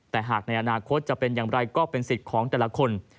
แต่หากในอนาคตจะเป็นอย่างไรก็เป็นสิทธิ์ของแต่ละคน